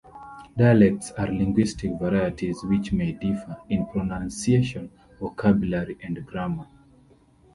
Dialects are linguistic varieties which may differ in pronunciation, vocabulary and grammar.